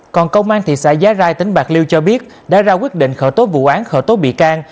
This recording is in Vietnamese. còn công an thị xã giá rai tỉnh bạc liêu cho biết đã ra quyết định khởi tố vụ án khởi tố bị can